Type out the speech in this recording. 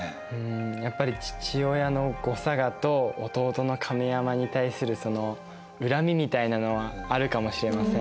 やっぱり父親の後嵯峨と弟の亀山に対するその恨みみたいなのはあるかもしれません。